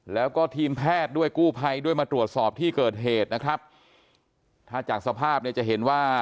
แล้วก็ทีมแพทย์ด้วยกู้ภัยด้วยมาตรวจสอบที่เกิดเหตุนะครับถ้าจากสภาพเนี่ยจะเห็นว่า